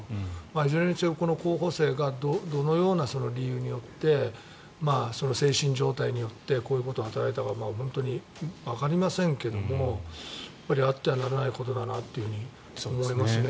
いずれにせよ、この候補生がどのような理由によってその精神状態によってこういうことを働いたかわかりませんけどもあってはならないことだなと思いますね。